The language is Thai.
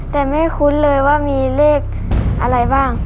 แต่ไม่คุ้นเลยว่ามีเลขอะไรบ้าง